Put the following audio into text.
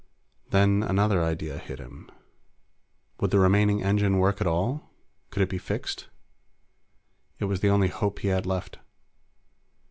Then another idea hit him. Would the remaining engine work at all? Could it be fixed? It was the only hope he had left.